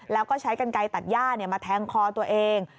แล้วก็ใช้กันไกลตัดย่ามาแทงคอตัวเอง